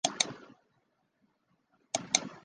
明朝政治人物。